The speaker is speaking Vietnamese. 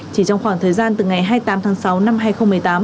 chỉ trong khoảng thời gian từ ngày hai mươi tám tháng sáu năm hai nghìn một mươi tám